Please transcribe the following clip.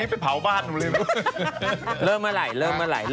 นี่เป็นเผาบ้านเริ่มเมื่อไหร่เริ่มเมื่อไหร่เริ่มเมื่อไหร่